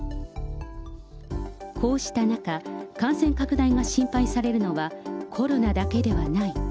こうした中、感染拡大が心配されるのはコロナだけではない。